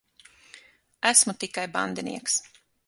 Esmu tikai bandinieks.